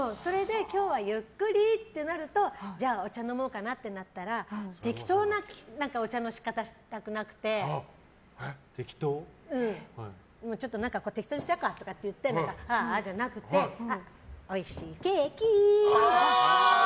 それで今日はゆっくりってなるとじゃあお茶飲もうかなってなったら適当なお茶の仕方したくなくてちょっと適当にしちゃおうかあーあじゃなくておいしいケーキ！